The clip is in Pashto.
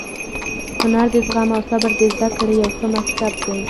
هنر د زغم او صبر د زده کړې یو ښه مکتب دی.